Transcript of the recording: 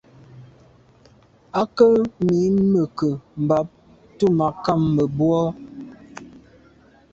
À ke mi meke’ mbàb ntùn à kàm mebwô il mache bien.